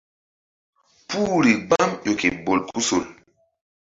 Puhri gbam ƴo ke bolkusol.